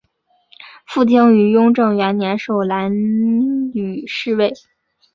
傅清于雍正元年授蓝翎侍卫。